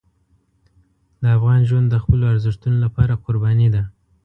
د افغان ژوند د خپلو ارزښتونو لپاره قرباني ده.